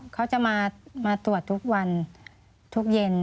เขาจะมาตรวจทุกวันทุกเย็น